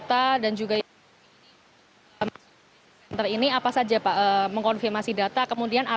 terima kasih pak